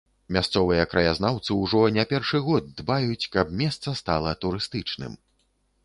Мясцовыя краязнаўцы ўжо не першы год дбаюць, каб месца стала турыстычным.